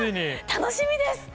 楽しみです。